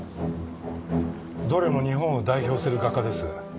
どれも日本を代表する画家です。